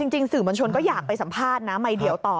สื่อมวลชนก็อยากไปสัมภาษณ์นะไมค์เดียวต่อ